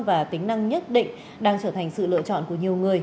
và tính năng nhất định đang trở thành sự lựa chọn của nhiều người